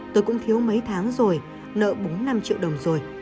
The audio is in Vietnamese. tôi cũng thiếu mấy tháng rồi nợ bốn năm triệu đồng rồi